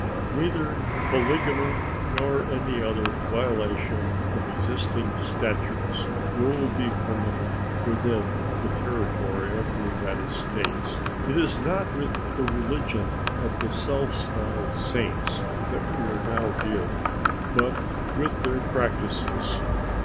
Neither polygamy nor any other violation of existing statutes will be permitted within the territory of the United States. It is not with the religion of the self styled Saints that we are now dealing, but with their practices.